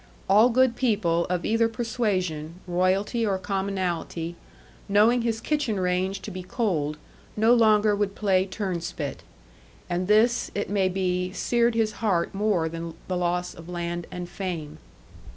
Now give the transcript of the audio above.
All good people of either persuasion, royalty or commonalty, knowing his kitchen range to be cold, no longer would play turnspit. And this, it may be, seared his heart more than loss of land and fame.